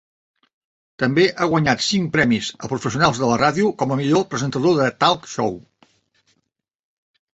També ha guanyat cinc premis a professionals de la ràdio com a Millor presentador de Talk Show.